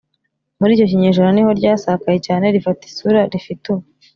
muri icyo kinyejana niho ryasakaye cyane rifata isura rifite ubu